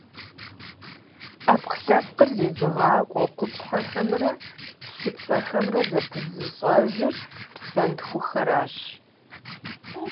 Ӏэпкълъэпкъыр зезыгъакӏуэ къупщхьэхэмрэ лыпцӏэхэмрэ зэпызыщӏэжыр псантхуэхэращ.